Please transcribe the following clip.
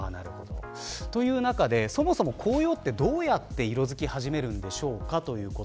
そもそも紅葉は、どうやって色づき始めるんでしょうか。